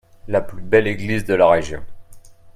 La plus belle église de la région.